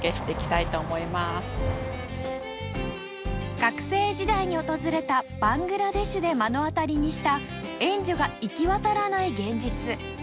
学生時代に訪れたバングラデシュで目の当たりにした援助が行き渡らない現実